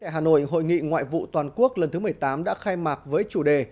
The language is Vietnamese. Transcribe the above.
hà nội hội nghị ngoại vụ toàn quốc lần thứ một mươi tám đã khai mạc với chủ đề